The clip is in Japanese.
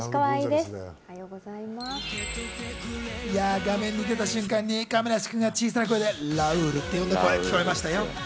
画面に出た瞬間、亀梨君が小さい声でラウールって読んだ声聞こえましたよ。